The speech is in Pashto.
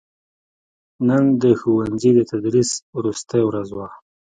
نن دښوونځي دتدریس وروستې ورځ وه